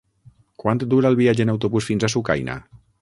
Quant dura el viatge en autobús fins a Sucaina?